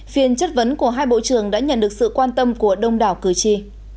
phiên chất vấn của hai bộ trưởng đã nhận được sự quan tâm của đông đảo cử tri